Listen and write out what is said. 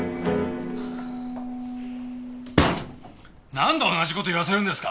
何度同じ事言わせるんですか！